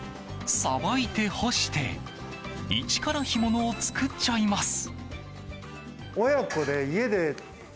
さばいて干して一から干物を作っちゃいます。